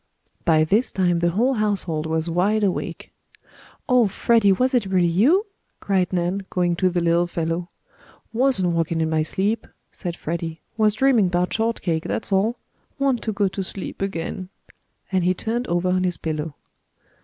By this time the whole household was wide awake. "Oh, Freddie, was it really you?" cried Nan, going to the little fellow. "Wasn't walking in my sleep," said Freddie. "Was dreaming 'bout shortcake, that's all. Want to go to sleep again," and he turned over on his pillow.